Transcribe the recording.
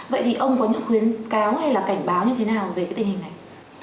vậy thì ông có những khuyến cáo hay là cảnh báo như thế nào về cái tình hình này